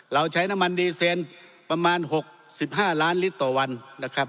เราใช้น้ำมันดีเซนต์ประมาณหกสิบห้าร้านลิตรต่อวันนะครับ